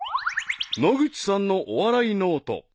［野口さんのお笑いノート］